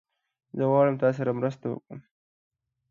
زه غواړم تاسره مرسته وکړم